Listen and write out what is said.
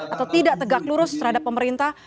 atau tidak tegas selurus terhadap pemerintah